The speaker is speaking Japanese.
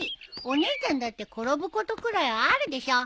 お姉ちゃんだって転ぶことくらいあるでしょ！